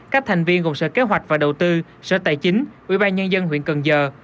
các thành viên gồm sở kế hoạch và đầu tư sở tài chính ủy ban nhân dân huyện cần giờ